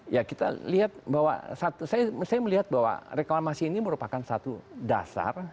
ya kita lihat bahwa saya melihat bahwa reklamasi ini merupakan satu dasar